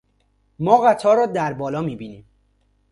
ما قطار را در بالا می بینیم.